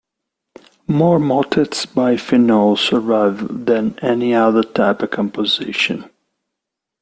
More motets by Phinot survive than any other type of composition.